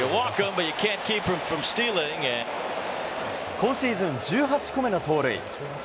今シーズン１８個目の盗塁。